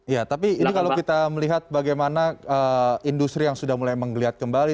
ya tapi ini kalau kita melihat bagaimana industri yang sudah mulai menggeliat kembali